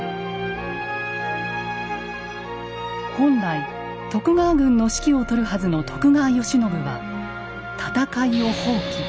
本来徳川軍の指揮を執るはずの徳川慶喜は戦いを放棄。